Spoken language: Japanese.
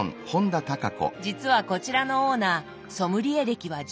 実はこちらのオーナーソムリエ歴は１８年。